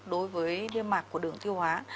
đối với niêm mạc của đường thiêu hóa